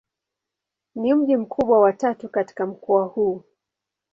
Ni mji mkubwa wa tatu katika mkoa huu.